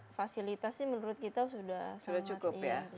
karena fasilitasnya menurut kita sudah cukup ya